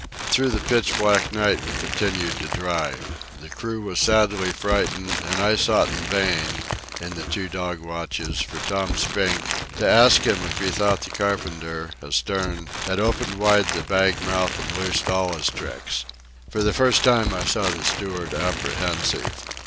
Through the pitch black night we continued to drive. The crew was sadly frightened, and I sought in vain, in the two dog watches, for Tom Spink, to ask him if he thought the carpenter, astern, had opened wide the bag mouth and loosed all his tricks. For the first time I saw the steward apprehensive.